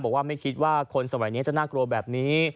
บอกว่าไม่คิดว่าคนสมัยนี้จะน่ากลัวแบบนี้